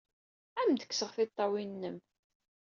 Ad am-d-kkseɣ tiṭṭawin-nnem!